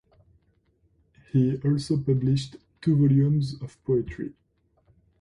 He also published two volumes of poetry.